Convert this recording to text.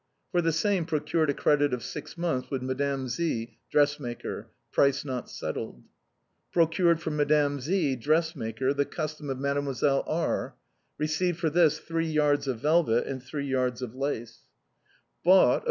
For the same, procured a credit of six months with Mme. Z , dress maker. (Price not settled.) " Procured for Mme. Z , dress maker, the custom of Mdlle. R . Received for this three yards of velvet, and three yards of lace, *' Bought of M.